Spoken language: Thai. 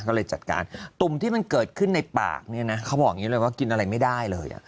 ก็เลยจัดการตุ่มที่มันเกิดขึ้นในปากเนี่ยนะเขาบอกอย่างนี้เลยว่ากินอะไรไม่ได้เลย